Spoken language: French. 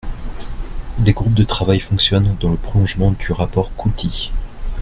Des groupes de travail fonctionnent dans le prolongement du rapport Couty.